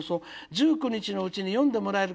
１９日のうちに読んでもらえる」。